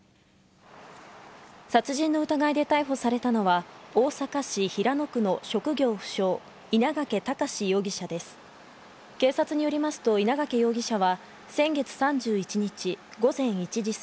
殺人の疑いで逮捕されたのは大阪市平野区の職業不詳・稲掛躍容疑者です。